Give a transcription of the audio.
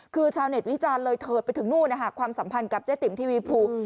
คือชาวเน็ตวิจารณ์เลยเถิดไปถึงนู่นความสัมพันธ์กับเจ๊ติ๋มทีวีภู